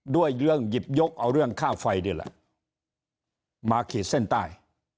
ด้วยเรื่องหยิบยกเอาเรื่องค่าไฟนี่แหละมาขีดเส้นใต้